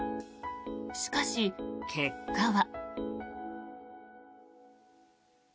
しかし、結果は。